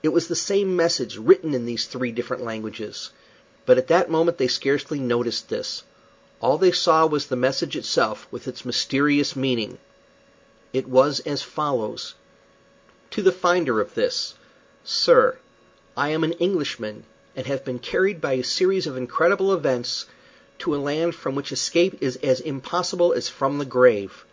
It was the same message, written in these three different languages. But at that moment they scarcely noticed this. All that they saw was the message itself, with its mysterious meaning. It was as follows: "To the finder of this: "Sir, I am an Englishman, and have been carried by a series of incredible events to a land from which escape is as impossible as from the grave.